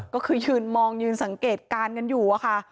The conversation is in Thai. ก็คือยืนมองยืนสังเกตการณ์กันอยู่อะค่ะ